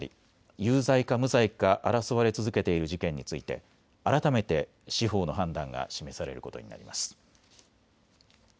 有罪か無罪か争われ続けている事件について改めて司法の判断が示されることになります。